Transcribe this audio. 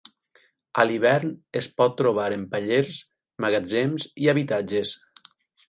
A l'hivern es pot trobar en pallers, magatzems i habitatges.